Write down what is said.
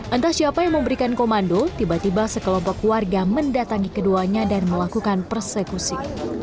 entah siapa yang memberikan komando tiba tiba sekelompok warga mendatangi keduanya dan melakukan persekusi